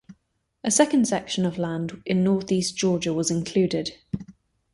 A second section of land in northeast Georgia was included.